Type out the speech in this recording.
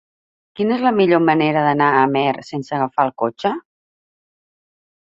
Quina és la millor manera d'anar a Amer sense agafar el cotxe?